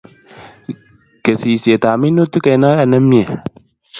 Kesishet ab minutik eng oret nimie